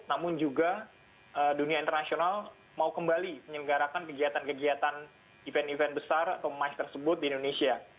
namun juga dunia internasional mau kembali menyelenggarakan kegiatan kegiatan event event besar atau mike tersebut di indonesia